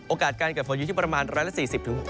โอกาสการเกิดฝนอยู่ที่ประมาณ๑๔๐๖๐องศาเซียต